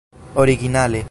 originale